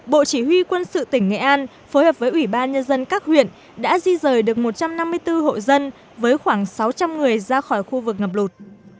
bộ chỉ huy quân sự tỉnh nghệ an phối hợp với ủy ban nhân dân các huyện đã di rời được một trăm năm mươi bốn hộ dân với khoảng sáu trăm linh người ra khỏi khu vực ngập lụt